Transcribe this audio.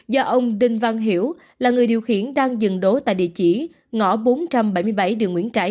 do ông đinh văn hiểu là người điều khiển đang dừng đỗ tại địa chỉ ngõ bốn trăm bảy mươi bảy đường nguyễn trãi